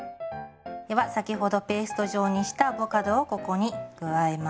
では先ほどペースト状にしたアボカドをここに加えます。